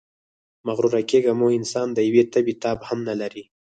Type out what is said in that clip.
مغروره کېږئ مه، انسان د یوې تبې تاب هم نلري.